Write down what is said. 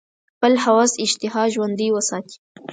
خپل هوس اشتها ژوندۍ وساتي.